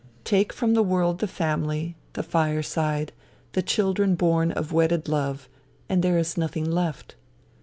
Take from the world the family, the fireside, the children born of wedded love, and there is nothing left.